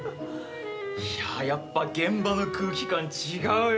いややっぱ現場の空気感違うよ！